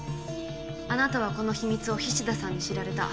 あなたはこの秘密を菱田さんに知られた。